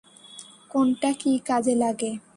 কোনটা কী কাজে লাগে?